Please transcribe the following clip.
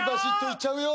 いっちゃうよ！